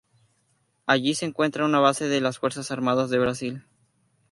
Allí se encuentra una base de las Fuerzas Armadas de Brasil.